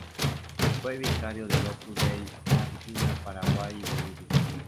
Fue vicario del Opus Dei en Argentina, Paraguay y Bolivia.